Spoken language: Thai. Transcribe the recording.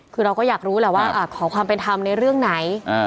คือเราก็อยากรู้แหละว่าขอความเป็นธรรมในเรื่องไหน